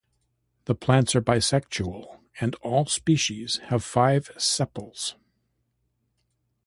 The plants are bisexual, and all species have five sepals.